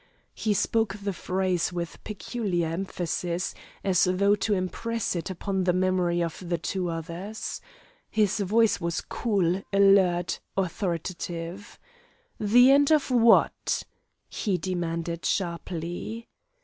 He spoke the phrase with peculiar emphasis, as though to impress it upon the memory of the two others. His voice was cool, alert, authoritative. "The end of what?" he demanded sharply.